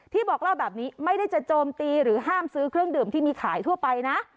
บอกเล่าแบบนี้ไม่ได้จะโจมตีหรือห้ามซื้อเครื่องดื่มที่มีขายทั่วไปนะ